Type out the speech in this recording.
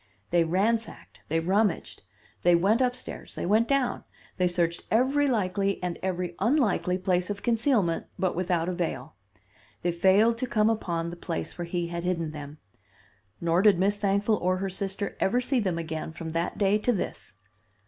They ransacked, they rummaged; they went upstairs, they went down; they searched every likely and every unlikely place of concealment, but without avail. They failed to come upon the place where he had hidden them; nor did Miss Thankful or her sister ever see them again from that day to this."